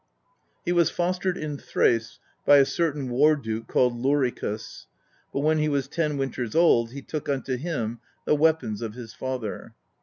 He was fostered in Thrace by a certain war duke called Lorikus; but when he was ten winters old he took unto him the weapons of his father.